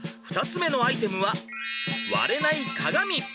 ２つ目のアイテムは割れない鏡。